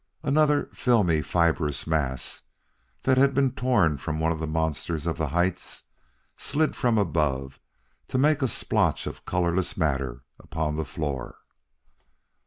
Another filmy, fibrous mass that had been torn from one of the monsters of the heights slid from above to make a splotch of colorless matter upon the floor.